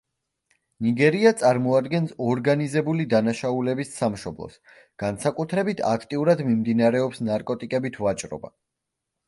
ნიგერია წარმოადგენს ორგანიზებული დანაშაულების სამშობლოს, განსაკუთრებით აქტიურად მიმდინარეობს ნარკოტიკებით ვაჭრობა.